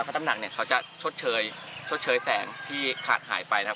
เพราะน้ำหนักเนี่ยเขาจะชดเชยชดเชยแสงที่ขาดหายไปนะครับ